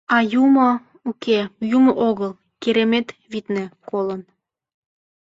А юмо, уке, юмо огыл, керемет, витне, колын.